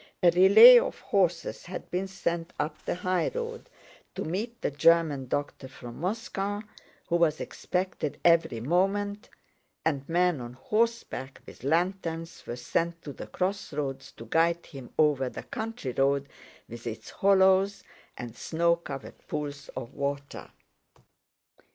A relay of horses had been sent up the highroad to meet the German doctor from Moscow who was expected every moment, and men on horseback with lanterns were sent to the crossroads to guide him over the country road with its hollows and snow covered pools of water.